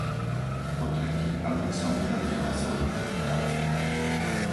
Po tretie, rada by som vyjadrila svoju frustráciu.